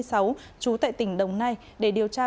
trú tại tỉnh đồng nai để điều tra